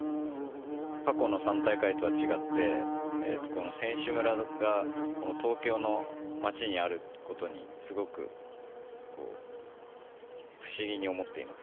過去の３大会とは違って、この選手村がこの東京の街にあることに、すごく不思議に思っています。